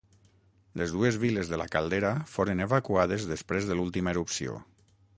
Les dues viles de la caldera foren evacuades després de l'última erupció.